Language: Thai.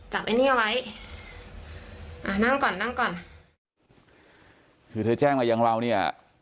ไอ้นี่เอาไว้อ่านั่งก่อนนั่งก่อนคือเธอแจ้งมาอย่างเราเนี่ย